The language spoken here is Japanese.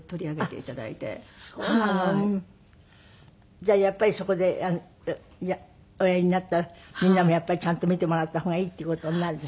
じゃあやっぱりそこでおやりになったらみんなもちゃんと診てもらった方がいいっていう事になるの？